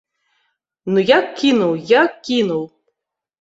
Ну як кінуў, як кінуў.